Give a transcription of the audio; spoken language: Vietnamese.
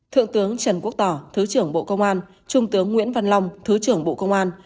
thượng tướng trần quốc tỏ thứ trưởng bộ công an trung tướng nguyễn văn long thứ trưởng bộ công an